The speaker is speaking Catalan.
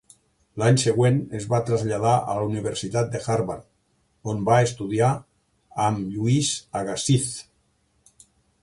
L'any següent, es va traslladar a la Universitat de Harvard, on va estudiar amb Louis Agassiz.